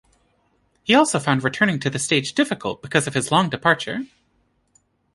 He also found returning to the stage difficult because of his long departure.